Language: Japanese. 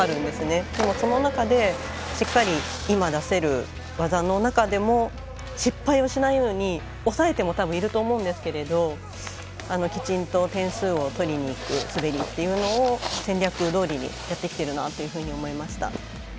でもその中でしっかり今出せる技の中でも失敗をしないように抑えてもたぶんいると思うんですけれどきちんと点数を取りにいく滑りっていうのを戦略どおりにやってきてるなというふうに思いました。